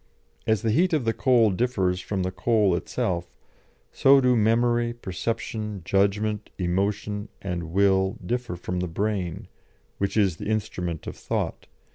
As the heat of the coal differs from the coal itself, so do memory, perception, judgment, emotion, and will differ from the brain which is the instrument of thought.